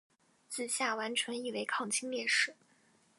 子夏完淳亦为抗清烈士。